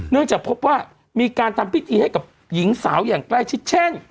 เนื่องจากพบว่ามีการทำพิธีให้กับหญิงสาวอย่างใกล้ชิดเช่น